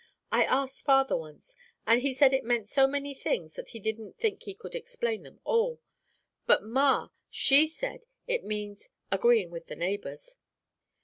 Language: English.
I asked father once, and he said it meant so many things that he didn't think he could explain them all; but ma, she said, it means 'agreeing with the neighbors.'